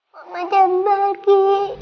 mama jangan pergi